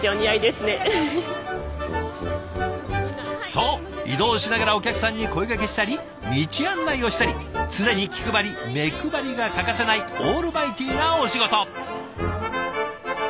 そう移動しながらお客さんに声がけしたり道案内をしたり常に気配り目配りが欠かせないオールマイティーなお仕事。